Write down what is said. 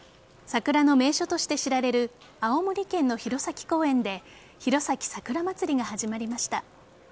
桜の名所として知られる青森県の弘前公園で弘前さくらまつりが始まりました。